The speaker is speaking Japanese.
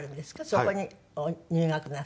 そこに入学なすって。